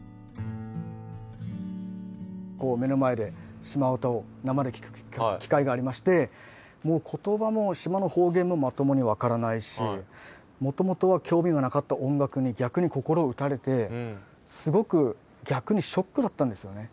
目の前でシマ唄を生で聴く機会がありましてもう言葉も島の方言もまともに分からないしもともとは興味がなかった音楽に逆に心を打たれてすごく逆にショックだったんですよね。